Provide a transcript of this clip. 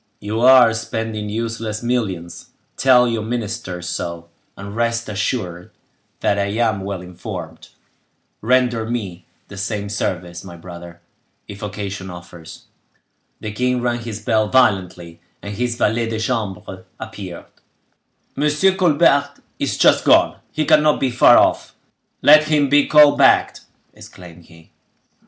You are spending useless millions; tell your ministers so; and rest assured that I am well informed; render me the same service, my brother, if occasion offers." The king rang his bell violently, and his valet de chambre appeared. "Monsieur Colbert is just gone; he cannot be far off. Let him be called back!" exclaimed he.